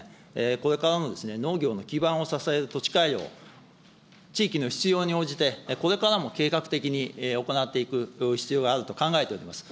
これからの農業の基盤を支える土地改良、地域のに応じてこれからも計画的に行っていく必要があると考えております。